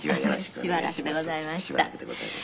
しばらくでございます。